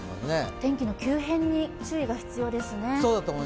天気の急変に注意が必要ですね。